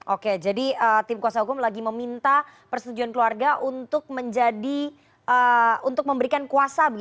oke jadi tim kuasa hukum lagi meminta persetujuan keluarga untuk menjadi untuk memberikan kuasa